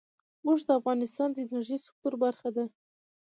اوښ د افغانستان د انرژۍ سکتور برخه ده.